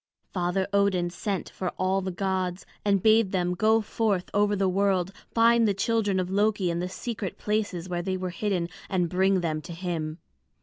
Father Odin sent for all the gods, and bade them go forth over the world, find the children of Loki in the secret places where they were hidden, and bring them to him.